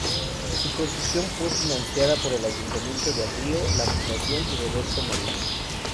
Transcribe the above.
Su construcción fue financiada por el Ayuntamiento de Río y la Fundación Roberto Marinho.